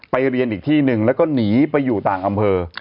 เรียนอีกที่หนึ่งแล้วก็หนีไปอยู่ต่างอำเภอ